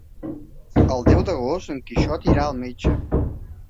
El deu d'agost en Quixot irà al metge.